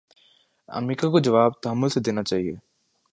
امریکہ کو جواب تحمل سے دینا چاہیے۔